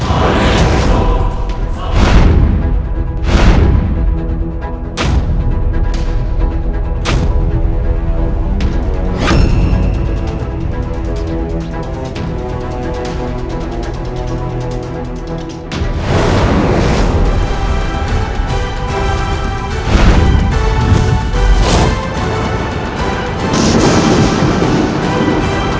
aku memang tidak takut